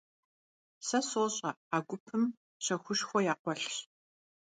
Сэ сощӀэ, а гупым щэхушхуэ якъуэлъщ.